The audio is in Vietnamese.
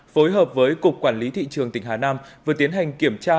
phối hợp với cục quản lý thị trường tỉnh hà nam vừa tiến hành kiểm tra